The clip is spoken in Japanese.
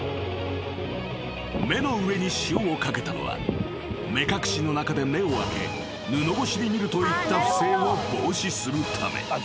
［目の上に塩をかけたのは目隠しの中で目を開け布越しに見るといった不正を防止するため］